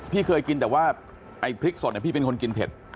พี่เคยกินแต่ว่าไอ้พริกสดพี่เป็นคนกินเผ็ด